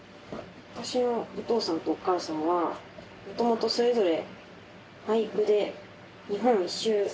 私のお父さんとお母さんはもともとそれぞれバイクで日本一周旅してて。